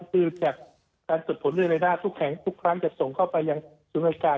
คือจากการจดผลเรดาทุกแข็งทุกครั้งจะส่งเข้าไปยังศูนยาการ